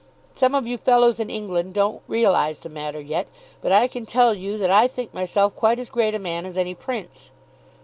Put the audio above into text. Some of you fellows in England don't realise the matter yet; but I can tell you that I think myself quite as great a man as any Prince."